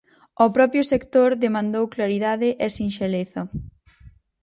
O propio sector demandou claridade e sinxeleza.